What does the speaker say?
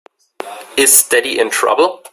Is Daddy in trouble?